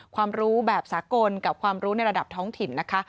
ความรู้แบบสากลกับความรู้ในระดับท้องถิ่นนะคะ